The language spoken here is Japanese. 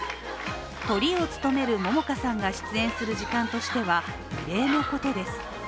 トリを務める桃花さんが出演する時間としては異例のことです。